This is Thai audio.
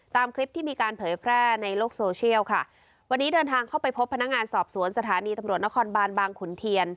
ตามคลิปที่มีการเผยแพร่ในโลกโซเชียลค่ะวันนี้เดินทางเข้าไปพบพนักงานสอบสวนสถานีตำรวจนครบานบางขุนเทียน